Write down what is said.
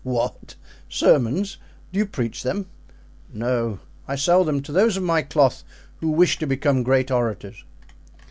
"What! sermons? Do you preach them?" "No; I sell them to those of my cloth who wish to become great orators."